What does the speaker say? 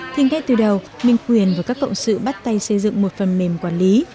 thì ngay từ đầu minh quyền và các cộng sự bắt tay xây dựng một phần mềm quản lý